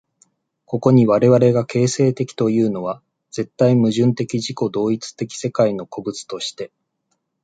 ここに我々が形成的というのは、絶対矛盾的自己同一的世界の個物として、